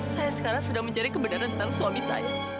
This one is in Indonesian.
saya sekarang sudah mencari kebenaran tentang suami saya